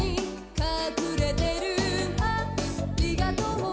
「隠れてる”ありがとう”」